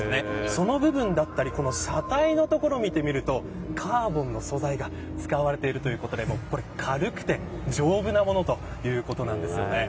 その部分だったり、車体の所見てみると、カーボンの素材が使われているということで軽くて丈夫なものということです。